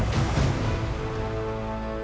hidup kutip prabu marta singa